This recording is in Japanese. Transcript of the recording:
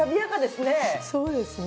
そうですね。